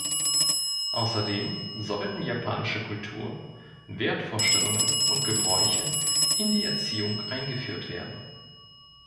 Außerdem sollten japanische Kultur, Wertvorstellungen und Gebräuche in die Erziehung eingeführt werden.